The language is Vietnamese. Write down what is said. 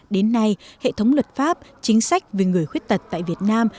đến nay hệ thống luật pháp chính sách về người khuyết tật tại việt nam